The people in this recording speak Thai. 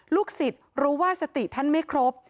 ลูกศิษย์รู้ว่าสติท่านไม่ครบ